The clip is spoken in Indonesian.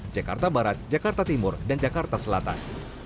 jakarta barat jakarta timur dan jakarta selatan